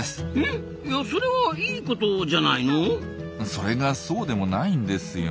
それがそうでもないんですよ。